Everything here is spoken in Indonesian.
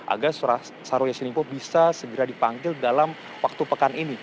agar syahrul yassin limpo bisa segera dipanggil dalam waktu pekan ini